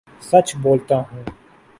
سچ بولتا ہوں